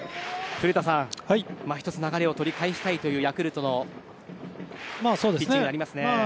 古田さん１つ流れを取り返したいというヤクルトですね。